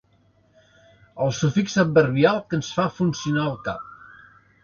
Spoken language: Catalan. El sufix adverbial que ens fa funcionar el cap.